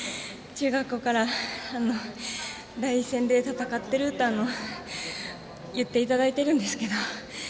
中学校から第一線で戦っていると言っていただいてるんですけど